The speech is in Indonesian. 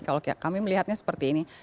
kalau kami melihatnya seperti ini